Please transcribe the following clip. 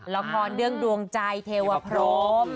ละครเรื่องดวงใจเทวพรม